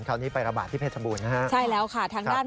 คราวนี้ไประบาดที่เพชรบูรณนะฮะใช่แล้วค่ะทางด้าน